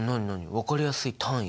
分かりやすい単位？